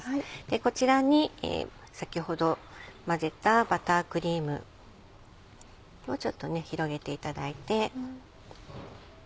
こちらに先ほど混ぜたバタークリームをちょっと広げていただいて。